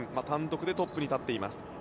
単独でトップに立っています。